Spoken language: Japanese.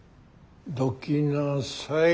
どきなさい。